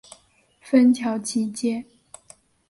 芬乔奇街。